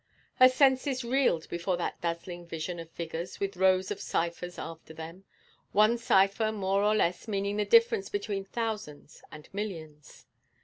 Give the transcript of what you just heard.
Her senses reeled before that dazzling vision of figures with rows of ciphers after them, one cipher more or less meaning the difference between thousands and millions.